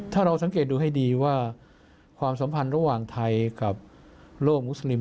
ถ้าเราสังเกตดูให้ดีว่าความสัมพันธ์ระหว่างไทยกับโลกมุสลิม